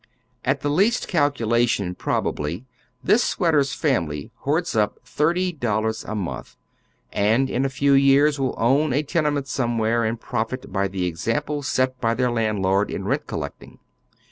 At the least calculation, prob ably, this sweater's family hoaj dsup thirty dollars a month, and in a few years will own a tenement somewhere and profit by the example set by their landlord in rent col lecting.